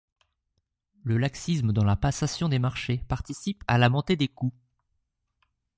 Le laxisme dans la passation des marchés participe à la montée des coûts.